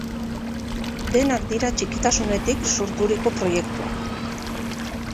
Denak dira txikitasunetik sorturiko proiektuak.